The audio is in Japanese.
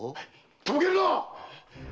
とぼけるなっ‼